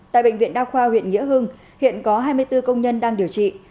tại bệnh viện đa khoa huyện nghĩa hưng hiện có hai mươi bốn công nhân đang điều trị